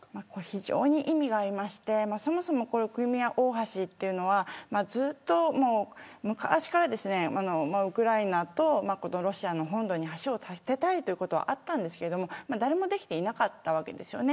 非常に意味がありましてそもそもこのクリミア大橋はずっと昔からウクライナとロシアの本土に橋を架けたいというのはあったんですが誰もできていなかったんです。